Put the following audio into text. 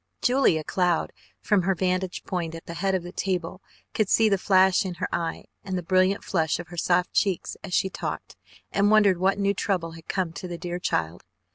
Julia Cloud, from her vantage point at the head of the table, could see the flash in her eye and the brilliant flush of the soft cheeks as she talked and wondered what new trouble had come to the dear child.